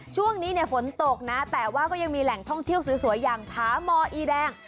ช่วงนี้เนี่ยฝนตกนะแต่ว่าก็ยังมีแหล่งท่องเที่ยวสวยอย่างผาหมออีแดง